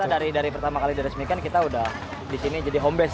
karena dari pertama kali diresmikan kita udah di sini jadi home base